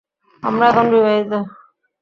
আমরা এখন বিবাহিত।